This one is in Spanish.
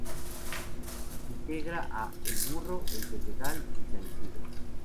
Integra a: El burro, El pedregal, y San Isidro.